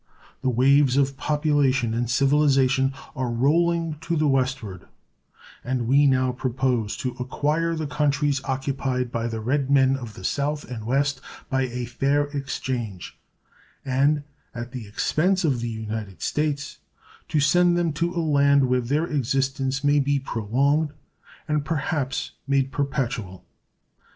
The waves of population and civilization are rolling to the westward, and we now propose to acquire the countries occupied by the red men of the South and West by a fair exchange, and, at the expense of the United States, to send them to a land where their existence may be prolonged and perhaps made perpetual.